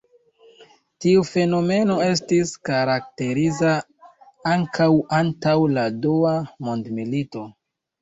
Tiu fenomeno estis karakteriza ankaŭ antaŭ la dua mondmilito.